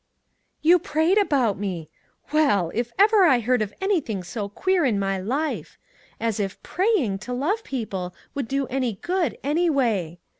" You prayed about me ! Well ! if ever I heard of anything so queer in my life! As if praying to love people would do any good, any way!